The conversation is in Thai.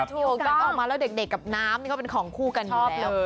แต่ออกมาแล้วเด็กกับน้ำก็เป็นของคู่กันอยู่แล้ว